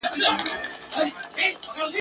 د واسکټونو دا بد مرغه لړۍ ..